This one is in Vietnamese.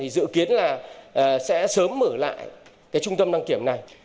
đến là sẽ sớm mở lại cái trung tâm đăng kiểm này